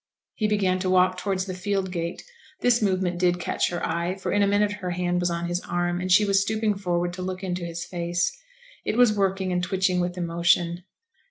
He began to walk towards the field gate; this movement did catch her eye, for in a minute her hand was on his arm, and she was stooping forward to look into his face. It was working and twitching with emotion.